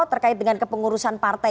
terkait dengan kepengurusan partai